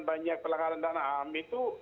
banyak pelanggaran dan ham itu